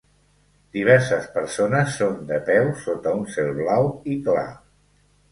Diverses persones són de peu sota un cel blau i clar.